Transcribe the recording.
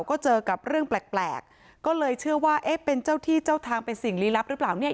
ก็เจอกับเรื่องแปลกแปลกก็เลยเชื่อว่าเอ๊ะเป็นเจ้าที่เจ้าทางเป็นสิ่งลี้ลับหรือเปล่าเนี่ย